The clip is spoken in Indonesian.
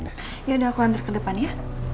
yaudah aku antar ke depan ya